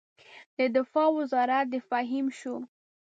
د دفاع وزارت د فهیم شو.